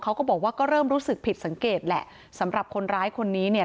เขาก็บอกว่าก็เริ่มรู้สึกผิดสังเกตแหละสำหรับคนร้ายคนนี้เนี่ย